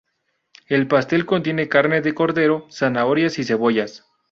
El pastel contiene carne de cordero, zanahorias y cebollas.